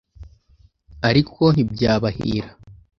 ariko ntibyabahira